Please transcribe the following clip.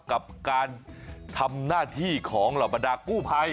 กับการทำหน้าที่ของเหล่าบรรดากู้ภัย